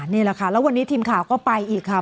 นี่แหละค่ะแล้ววันนี้ทีมข่าวก็ไปอีกค่ะ